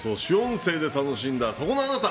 声で楽しんた、そこのあなた。